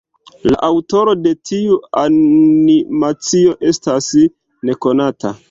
La aŭtoro de tiu animacio estas nekonata.